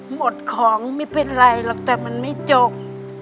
หมดของไม่เป็นไรหรอกแต่มันไม่จบ